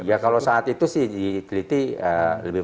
ya kalau saat itu sih